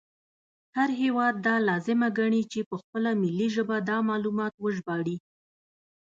هر هیواد دا لازمه ګڼي چې په خپله ملي ژبه دا معلومات وژباړي